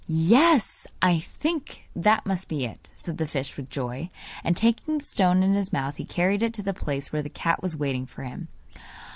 'Yes, I think that must be it,' said the fish with joy. And taking the stone in his mouth he carried it to the place where the cat was waiting for him.